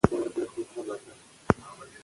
خلک اوس رواني ستونزې احساسوي.